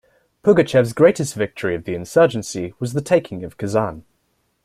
Pugachev's greatest victory of the insurgency was the taking of Kazan.